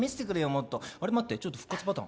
もっとあれ待って復活パターン？